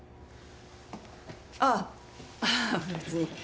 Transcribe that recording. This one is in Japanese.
ああ別に。